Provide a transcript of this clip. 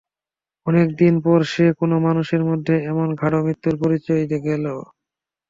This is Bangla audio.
অনেক দিন পর সে কোনো মানুষের মধ্যে এমন গাঢ় মৃত্যুর পরিচয় গেল।